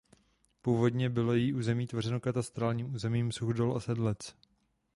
Původně bylo její území tvořeno katastrálními územími Suchdol a Sedlec.